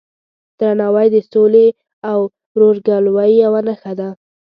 درناوی د سولې او ورورګلوۍ یوه نښه ده.